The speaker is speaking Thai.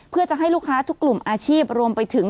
เพื่อจะให้ลูกค้าทุกกลุ่มอาชีพรวมไปถึง